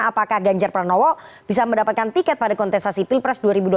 apakah ganjar pranowo bisa mendapatkan tiket pada kontestasi pilpres dua ribu dua puluh